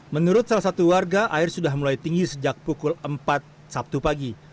menurut salah satu warga air sudah mulai tinggi sejak pukul empat sabtu pagi